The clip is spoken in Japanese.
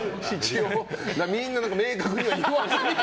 みんな、明確には言わない。